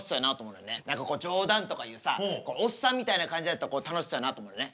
何かこう冗談とか言うさおっさんみたいな感じやったら楽しそうやなと思うよね。